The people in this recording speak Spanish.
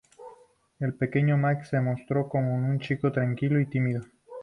El pequeño Max se mostró como un chico tranquilo y tímido.